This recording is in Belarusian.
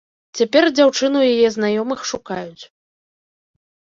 Цяпер дзяўчыну і яе знаёмых шукаюць.